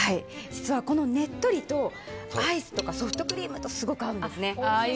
実はこのねっとりとアイスとかソフトクリームがすごく合うんです。